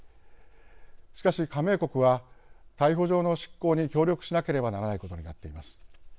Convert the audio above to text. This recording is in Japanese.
しかし、加盟国は逮捕状の執行に協力しなければならないことになっています。